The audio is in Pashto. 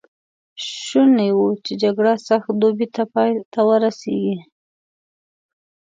شوني وه چې جګړه سږ دوبی پای ته ورسېږي.